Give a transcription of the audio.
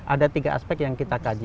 ada tiga aspek yang kita kaji